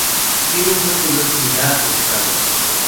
Tiene un fuerte olor similar al pescado.